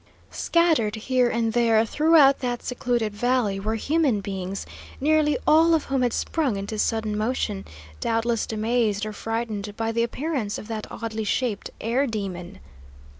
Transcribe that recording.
Scattered here and there throughout that secluded valley were human beings, nearly all of whom had sprung into sudden motion, doubtless amazed or frightened by the appearance of that oddly shaped air demon.